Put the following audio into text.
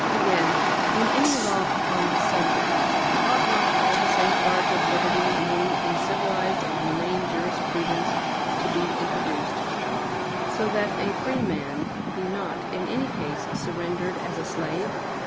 Again, in any law upon this subject, ought not all the safeguards of liberty known in civilized and humane jurisprudence to be introduced, so that a free man be not, in any case, surrendered as a slave?